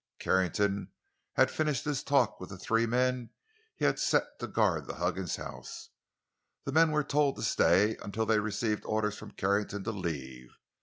Carrington had finished his talk with the three men he had set to guard the Huggins house. The men were told to stay until they received orders from Carrington to leave.